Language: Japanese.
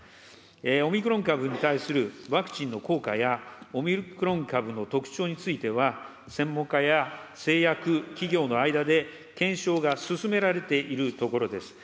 オミクロン株に対するワクチンの効果や、オミクロン株の特徴については、専門家や製薬企業の間で検証が進められているところです。